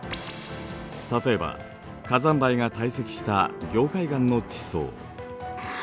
例えば火山灰が堆積した凝灰岩の地層。